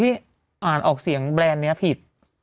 อ่านออกเสียงแบรนด์นี้ผิด